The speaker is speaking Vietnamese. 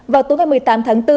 vào tối ngày một mươi tám tháng bốn